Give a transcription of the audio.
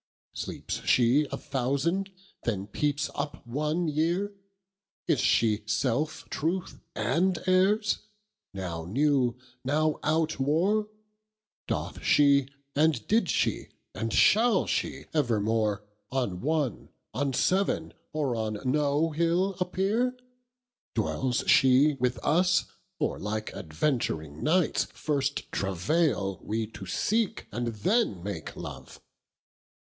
Sleepes she a thousand, then peepes up one yeare? Is she selfe truth and errs? now new, now outwore? Doth she, and did she, and shall she evermore On one, on seaven, or on no hill appeare? Dwells she with us, or like adventuring knights First travaile we to seek and then make Love?